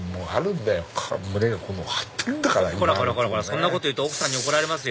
そんなこと言うと奥さんに怒られますよ